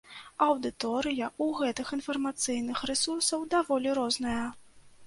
Аўдыторыя ў гэтых інфармацыйных рэсурсаў даволі розная.